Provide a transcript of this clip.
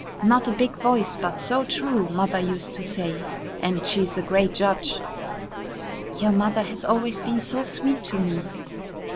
'Not a big voice, but so true,' Mother used to say, and she's a great judge." "Your mother has always been so sweet to me."